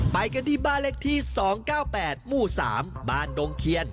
ไปกันที่บ้านเลขที่๒๙๘หมู่๓บ้านดงเคียน